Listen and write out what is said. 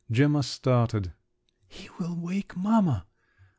Gemma started … "He will wake mamma!"